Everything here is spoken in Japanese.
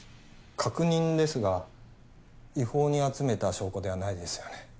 確認ですが違法に集めた証拠ではないですよね？